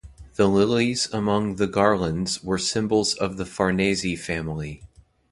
The lilies among the garlands were symbols of the Farnese family.